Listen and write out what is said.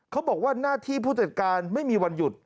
เขาบอกว่าหน้าที่ผู้จัดการไม่มีวันหยุด